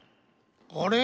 あれ？